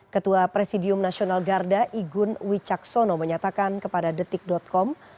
ketua presidium nasional garda igun wicaksono menyatakan kepada detik com